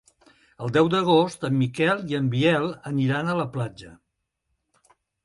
El deu d'agost en Miquel i en Biel aniran a la platja.